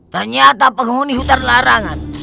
ternyata penghuni hutan larangan